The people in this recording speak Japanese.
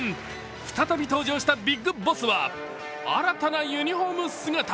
再び登場したＢＩＧＢＯＳＳは新たなユニフォーム姿。